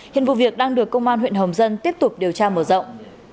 hiện vụ việc đang được công an huyện hồng dân tiếp tục điều tra mở rộng